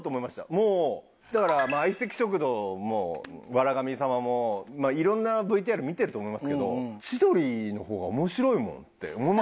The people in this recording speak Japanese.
もうだから『相席食堂』も『笑神様』も色んなＶＴＲ見てると思いますけど千鳥の方が面白いもんって思いましたもん。